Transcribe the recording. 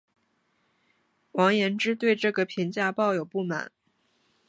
王延之对这个评价抱有不满。